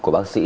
của bác sĩ